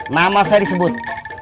nama saya disebut